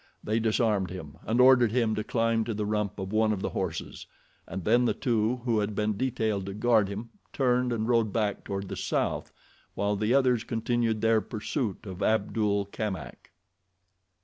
They disarmed him and ordered him to climb to the rump of one of the horses, and then the two who had been detailed to guard him turned and rode back toward the South, while the others continued their pursuit of Abdul Kamak.